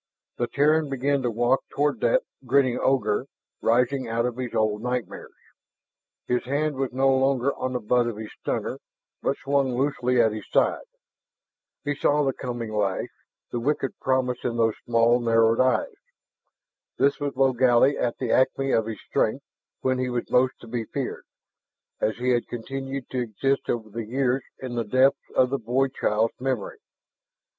The Terran began to walk toward that grinning ogre rising out of his old nightmares. His hand was no longer on the butt of his stunner, but swung loosely at his side. He saw the coming lash, the wicked promise in those small narrowed eyes. This was Logally at the acme of his strength, when he was most to be feared, as he had continued to exist over the years in the depths of a boy child's memory.